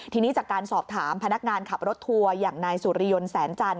ทีนี้จากการสอบถามพนักงานขับรถทัวร์อย่างนายสุริยนต์แสนจันท